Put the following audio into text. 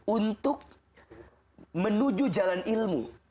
untuk menuju jalan ilmu